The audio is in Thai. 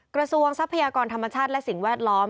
ทรัพยากรธรรมชาติและสิ่งแวดล้อม